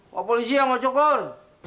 pak polisi yang mau cukur